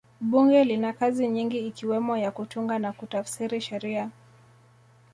bunge lina kazi nyingi ikiwemo ya kutunga na kutafsiri sheria